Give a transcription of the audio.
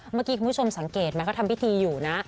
เมื่อกี้คุณผู้ชมสังเกตไหมเขาทำพิธีอยู่นะ